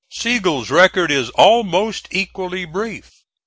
Sigel's record is almost equally brief.